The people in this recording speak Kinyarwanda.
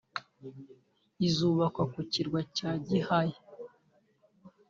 izubakwa ku kirwa cya Gihaya